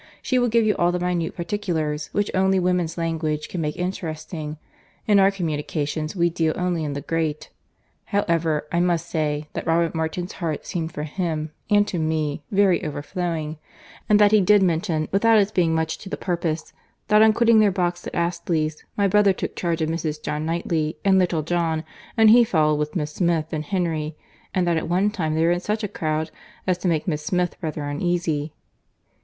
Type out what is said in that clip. —She will give you all the minute particulars, which only woman's language can make interesting.—In our communications we deal only in the great.—However, I must say, that Robert Martin's heart seemed for him, and to me, very overflowing; and that he did mention, without its being much to the purpose, that on quitting their box at Astley's, my brother took charge of Mrs. John Knightley and little John, and he followed with Miss Smith and Henry; and that at one time they were in such a crowd, as to make Miss Smith rather uneasy."